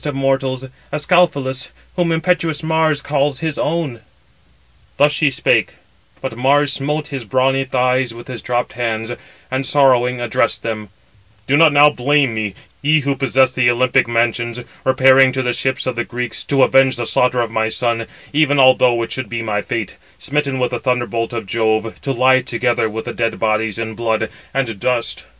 Thus she spake; but Mars smote his brawny thighs with his dropped hands, and sorrowing, addressed them: "Do not now blame me, ye who possess the Olympic mansions, repairing to the ships of the Greeks, to avenge the slaughter of my son, even although it should be my fate, smitten with the thunderbolt of Jove, to lie together with the dead bodies in blood and dust."